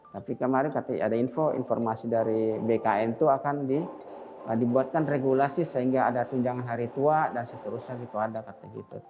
tapi kemarin ada info informasi dari bkn itu akan dibuatkan regulasi sehingga ada tunjangan hari tua dan seterusnya gitu ada kata gitu